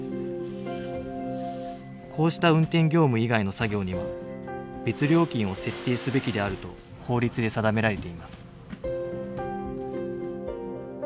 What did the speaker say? こうした運転業務以外の作業には別料金を設定すべきであると法律で定められています。